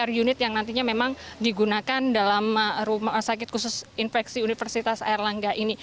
tiga unit yang nantinya memang digunakan dalam rumah sakit khusus infeksi universitas airlangga ini